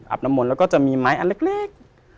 น้ำมนต์แล้วก็จะมีไม้อันเล็ก